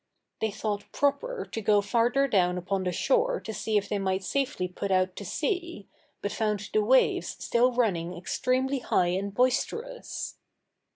They thought proper to go farther down upon the shore to see if they might safely put out to sea, but found the waves still running extremely high and boisterous.